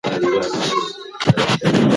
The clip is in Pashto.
شاعر له سپوږمۍ غواړي چې د اشنا حال ورته ووایي.